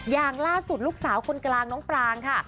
อย่างล่าสุดลูกสาวคนกลางน้องปรางค่ะ